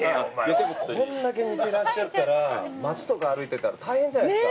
でもこんだけ似てらっしゃったら街とか歩いてたら大変じゃないですか？